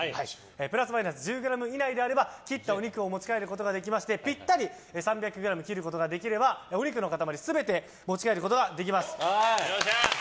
プラスマイナス１０ｇ以内であれば切ったお肉を持ち帰ることができましてぴったり見事３００ｇに切ることができればお肉の塊全て持ち帰ることができます。